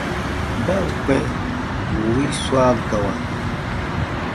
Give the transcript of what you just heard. Ba ǹ kpɛ̃ bù wii swa gawa,